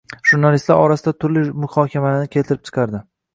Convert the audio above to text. Jurnalistlar orasida turli muhokamalarni keltirib chiqardi.